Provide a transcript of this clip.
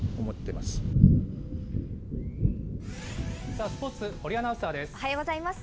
さあ、スポーツ、堀アナウンサーです。